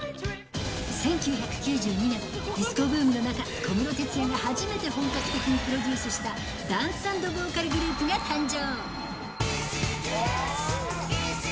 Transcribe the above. １９９２年、ディスコブームの中、小室哲哉が初めて本格的にプロデュースしたダンス＆ボーカルグループが誕生。